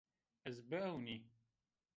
Ez biewnî